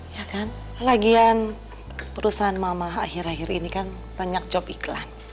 ya kan lagian perusahaan mama akhir akhir ini kan banyak job iklan